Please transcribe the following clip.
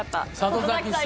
里崎さん